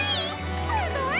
すごい！